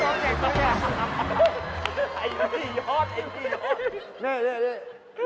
มันใหญ่มาก